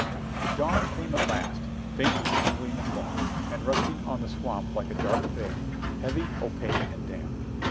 The dawn came at last, faintly tinging the fog, and resting on the swamp like a dark veil, heavy, opaque and damp.